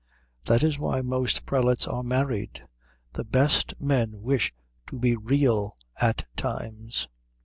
That is why most prelates are married. The best men wish to be real at times.